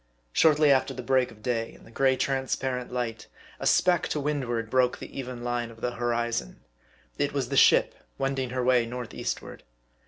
Shortly after the break of day, in the gray transparent light, a speck to windward broke the even line of the hori zon. It was the ship wending her way north eastward.